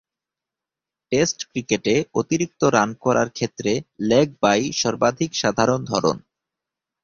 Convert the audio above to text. Test ক্রিকেটে অতিরিক্ত run করার ক্ষেত্রে লেগ বাই সর্বাধিক সাধারণ ধরন।